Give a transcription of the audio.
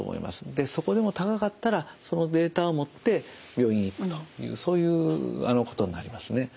でそこでも高かったらそのデータを持って病院へ行くとそういうことになりますね。